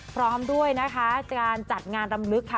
พร้อมด้วยนะคะการจัดงานรำลึกค่ะ